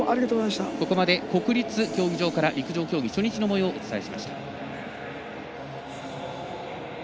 ここまで国立競技場から陸上競技初日のもようをお伝えしました。